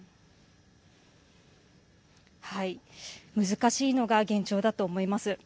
難しいのが現状だと思います。